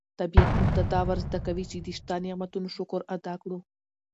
طبیعت موږ ته دا ور زده کوي چې د شته نعمتونو شکر ادا کړو.